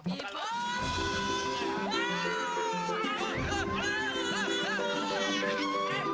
buka peluni di peka